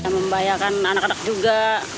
membahayakan anak anak juga